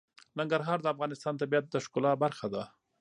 ننګرهار د افغانستان د طبیعت د ښکلا برخه ده.